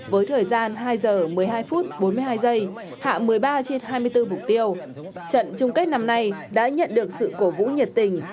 với thời gian hai h một mươi hai phút bốn mươi hai giây hạ một mươi ba trên hai mươi bốn mục tiêu trận chung kết năm nay đã nhận được sự cổ vũ nhiệt tình